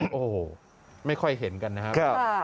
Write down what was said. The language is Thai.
โอ้โหไม่ค่อยเห็นกันนะครับ